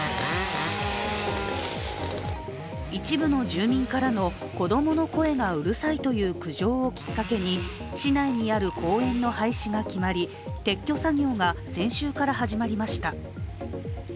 一部の住民からの子供の声がうるさいという苦情をきっかけに市内にある公園の廃止が決まり、撤去作業が先週から始まりました。